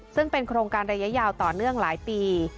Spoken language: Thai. ซึ่งเป็นโครงการระยะยาวต่อเนื่องหลายปี